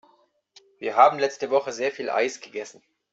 Wir haben letzte Woche sehr viel Eis gegessen.